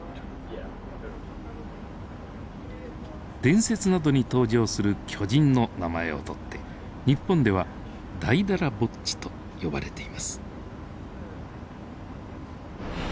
伝説などに登場する巨人の名前をとって日本ではダイダラボッチと呼ばれています。